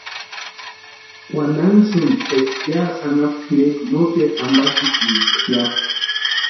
Wantanhasïn eska yásï anapu tʼirekwa noteru ampakitieska ya.